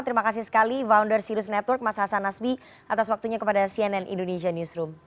terima kasih sekali founder sirus network mas hasan nasbi atas waktunya kepada cnn indonesia newsroom